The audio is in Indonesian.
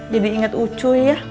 jadi inget ucuy ya